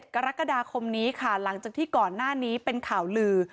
กรกฎาคมนี้ค่ะหลังจากที่ก่อนหน้านี้เป็นข่าวลือ